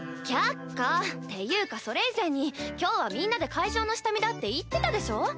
却下！っていうかそれ以前に今日はみんなで会場の下見だって言ってたでしょ。